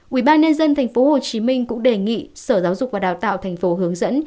quỹ ban nhân dân tp hcm cũng đề nghị sở giáo dục và đào tạo tp hcm